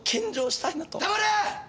黙れ！